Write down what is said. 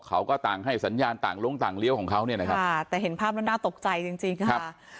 เขาก็ต่างให้สัญญาณต่างลงต่างเลี้ยวของเขาเนี่ยนะครับค่ะแต่เห็นภาพแล้วน่าตกใจจริงจริงค่ะ